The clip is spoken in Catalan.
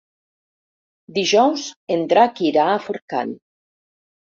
Dijous en Drac irà a Forcall.